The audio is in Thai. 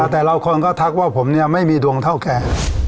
แต่เราคนก็ทักว่าผมเนี่ยไม่มีดวงเท่าแก